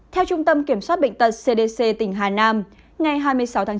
theo trung tâm kiểm soát bệnh tật cdc tỉnh hà nam ngày hai mươi sáu tháng chín